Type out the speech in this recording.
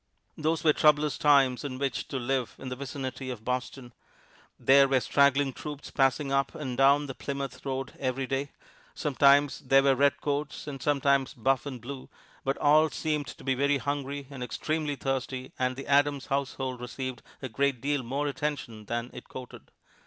Those were troublous times in which to live in the vicinity of Boston. There were straggling troops passing up and down the Plymouth road every day. Sometimes they were redcoats and sometimes buff and blue, but all seemed to be very hungry and extremely thirsty, and the Adams household received a great deal more attention than it courted.